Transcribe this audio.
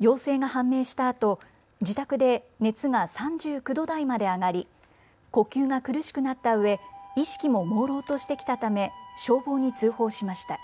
陽性が判明したあと自宅で熱が３９度台まで上がり呼吸が苦しくなったうえ、意識ももうろうとしてきたため消防に通報しました。